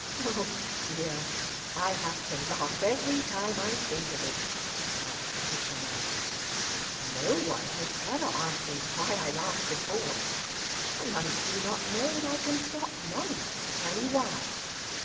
"Oh dear! I have to laugh every time I think of it," answered the Pitcher man. "No one has ever asked me why I laughed before, and I do not know that I can stop long enough to tell you why."